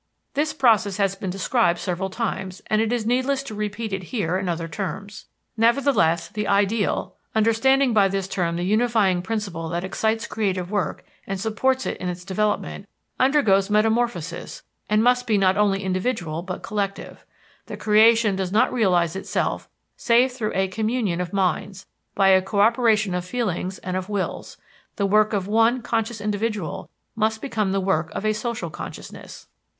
This process has been described several times, and it is needless to repeat it here in other terms. Nevertheless, the ideal understanding by this term the unifying principle that excites creative work and supports it in its development undergoes metamorphosis and must be not only individual but collective; the creation does not realize itself save through a "communion of minds," by a co operation of feelings and of wills; the work of one conscious individual must become the work of a social consciousness.